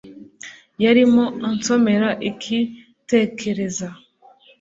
Yarimo ansomera iki tekereza